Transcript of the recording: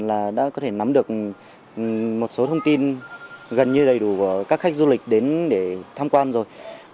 là đã có thể nắm được một số thông tin gần như đầy đủ các khách du lịch đến để tham quan rồi